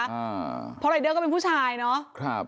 เพราะรายเดอร์ก็เป็นผู้ชายเนาะ